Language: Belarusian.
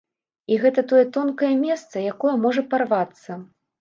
І гэта тое тонкае месца, якое можа парвацца.